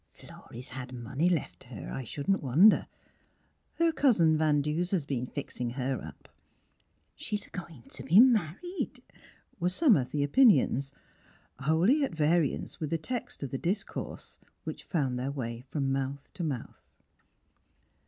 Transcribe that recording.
" Philury's had money left her, I shouldn't wonder"; "Her Cousin Van Deuser's been fixin' her up"; "She's a goin' to be married!" were some of the opinions, wholly 44 Miss Phihtra at variance with the text of the discourse, which found their way from mouth to mouth.